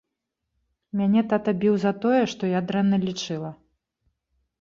Мяне тата біў за тое, што я дрэнна лічыла.